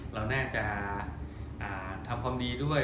เราน่าจะทำความดีด้วย